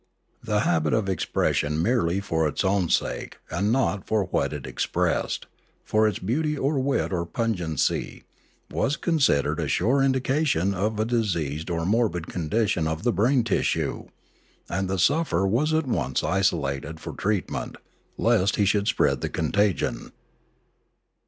The habit of expression merely for its own sake and not for what it expressed, for its beauty or wit or pungency, was considered a sure indication of a diseased or morbid condition of the brain tissue, and the sufferer was at once isolated for treatment, lest he should spread the contagion.